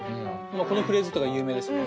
このフレーズとか有名ですもんね。